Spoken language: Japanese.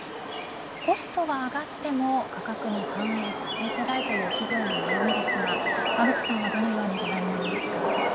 コストは上がっても価格に反映させづらいという企業の悩みですが馬渕さんはどのようにご覧になりますか。